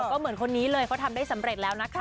ก็เหมือนคนนี้เลยเขาทำได้สำเร็จแล้วนะคะ